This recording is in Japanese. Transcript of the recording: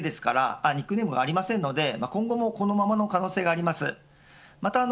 ただインスタグラムも同じでニックネームはありませんので今後もこのままの可能性があります。